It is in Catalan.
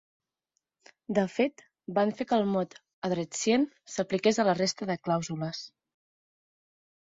De fet, van fer que el mot "a dretcient" s'apliqués a la resta de clàusules.